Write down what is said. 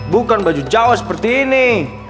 bukan baju jawa seperti ini